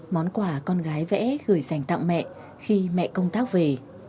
món quà con gái vẽ gửi dành tặng mẹ khi mẹ công tác về